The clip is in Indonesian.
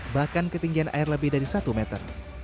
bahkan ketinggian air lebih dari satu meter